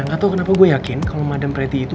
gak tau kenapa gue yakin kalo madam preti itu